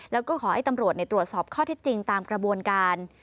แล้วก็ขอให้ตำรวจตรวจสอบข้อเท็จจริงตามกระบวนการ